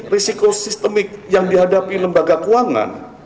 risiko sistemik yang dihadapi lembaga keuangan